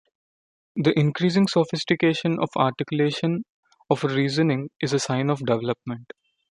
The increasing sophistication of articulation of reasoning is a sign of development.